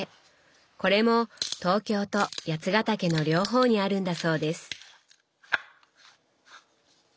これも東京と八ヶ岳の両方にあるんだそうです。